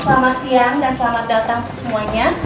selamat siang dan selamat datang semuanya